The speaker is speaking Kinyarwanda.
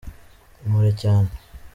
impore cyane.